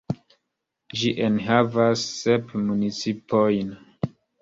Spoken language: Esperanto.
Ĝi enhavas sep municipojn.